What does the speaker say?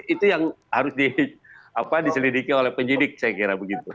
itu yang harus diselidiki oleh penyidik saya kira begitu